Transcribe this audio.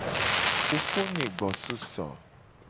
Fofonye gbo so eso.